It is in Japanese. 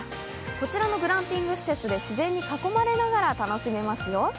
こちらのグランピング施設で自然に囲まれながら楽しめますよ。